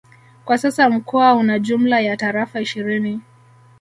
Kwa sasa mkoa una jumla ya Tarafa ishirini